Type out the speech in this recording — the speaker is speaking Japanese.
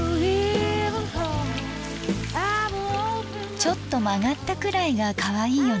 ちょっと曲がったくらいがかわいいよね。